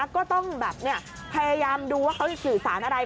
ก็ต้องแบบพยายามดูว่าเขาจะสื่อสารอะไร